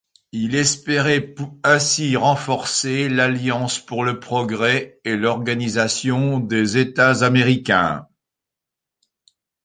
Il espérait ainsi renforcer l'Alliance pour le Progrès et l'Organisation des États américains.